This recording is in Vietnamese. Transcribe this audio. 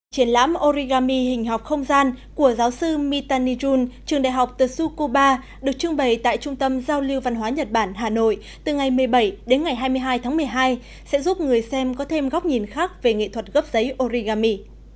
triển lãm origami hình học không gian của giáo sư mita nijun trường đại học tetsu kuba được trưng bày tại trung tâm giao lưu văn hóa nhật bản hà nội từ ngày một mươi bảy đến ngày hai mươi hai tháng một mươi hai sẽ giúp người xem có thêm góc nhìn khác về nghệ thuật gấp giấy origami